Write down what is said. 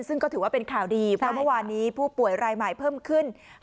ซึ่งก็ถือว่าเป็นข่าวดีเพราะเมื่อวานนี้ผู้ป่วยรายใหม่เพิ่มขึ้น